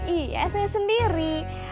iya saya sendiri